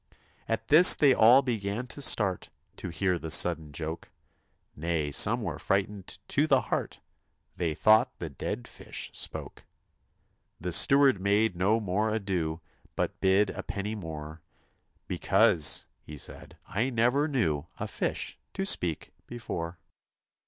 ' At this they all began to start To hear the sudden joke ; Nay, some were frightened to the heart, They thought the dead fish spoke. The steward made no more ado But bid a penny more, * Because,' he said, ' I never knew A fish to speak before.'